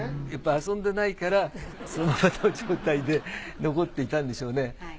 やっぱり遊んでないからそのままの状態で残っていたんでしょうね。